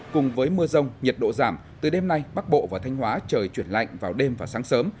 cùng với mưa rông nhiệt độ giảm từ đêm nay bắc bộ và thanh hóa trời chuyển lạnh vào đêm và sáng sớm